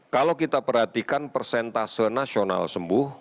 kalau kita perhatikan persentase nasional sembuh